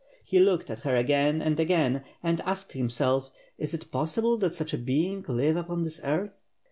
He looked at her again and again, and asked himsell, "Is it possible that such a being live upon this earth?"